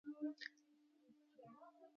د کروندګرو ټولنه یې تر شا وه.